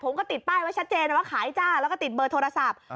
ติดป้ายไว้ชัดเจนว่าขายจ้าแล้วก็ติดเบอร์โทรศัพท์